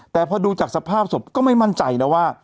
แต่พอดูจากสภาพศพก็ไม่มั่นใจนะว่า